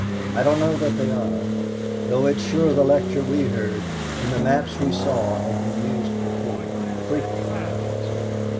I don't know that they are, though it's sure the lecture we heard and the maps we saw had been used before frequently I should say."